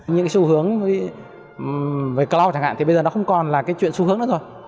những xu hướng về cloud chẳng hạn thì bây giờ nó không còn là chuyện xu hướng nữa rồi